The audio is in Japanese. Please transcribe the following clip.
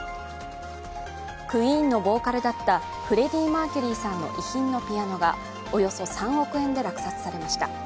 ＱＵＥＥＮのボーカルだったフレディ・マーキュリーさんの遺品のピアノがおよそ３億円で落札されました。